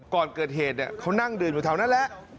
ก่อนเกิดเหตุเขานั่งดื่มอยู่แถวนั้นแหละ